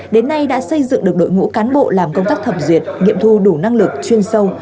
đến nay đã xây dựng được đội ngũ cán bộ làm công tác thẩm duyệt nghiệm thu đủ năng lực chuyên sâu